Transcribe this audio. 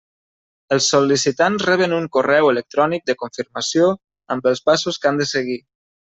Els sol·licitants reben un correu electrònic de confirmació amb els passos que han de seguir.